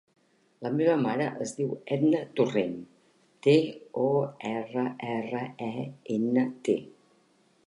La meva mare es diu Edna Torrent: te, o, erra, erra, e, ena, te.